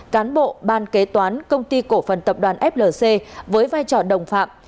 cán bộ ban kế toán công ty cổ phần tập đoàn flc với vai trò đồng phạm